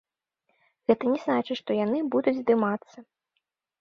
Гэта не значыць, што яны будуць здымацца.